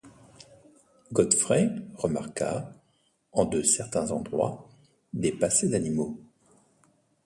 Godfrey remarqua, en de certains endroits, des passées d’animaux.